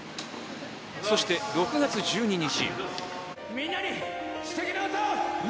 そして６月１２日。